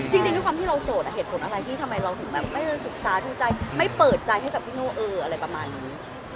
จริงที่เราสดเหตุผลอะไรทำไมเราไม่ฝึกตาไม่เปิดใจให้พี่โน้วเอออะไรประมาณนี้